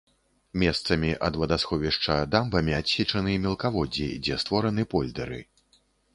Месцамі ад вадасховішча дамбамі адсечаны мелкаводдзі, дзе створаны польдэры.